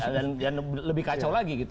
dan lebih kacau lagi gitu